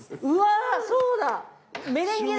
うわそうだ。